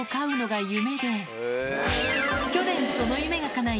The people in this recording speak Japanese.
去年その夢が叶い